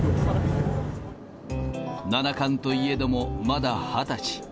七冠といえどもまだ２０歳。